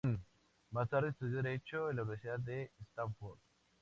Más tarde estudió derecho en la Universidad de Stanford.